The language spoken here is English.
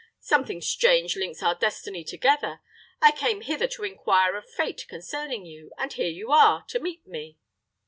Something strange links our destiny together. I came hither to inquire of Fate concerning you; and here you are, to meet me."